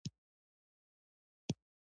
آیا پنبه د افغانستان سپین زر دي؟